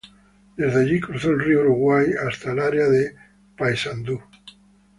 Desde allí cruzó el río Uruguay hasta el área de Paysandú.